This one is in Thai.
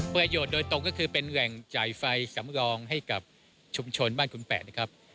ประโยชน์โดยตรงก็คือเป็นแหล่งจ่ายไฟสำรองให้กับชุมชนบ้านคุณแปะนะครับ